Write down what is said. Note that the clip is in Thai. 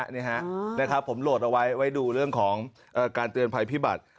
นี่ฮะนะครับผมโหลดเอาไว้ไว้ดูเรื่องของการเตือนภัยพิบัติ